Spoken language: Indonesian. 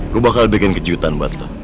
gue bakal bikin kejutan buat lo